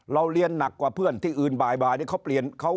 เราเรียนหนักกว่าเพื่อนที่อื่นบ่ายบ่าย